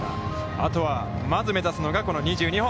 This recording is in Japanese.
あとはまず目指すのがこの２２本。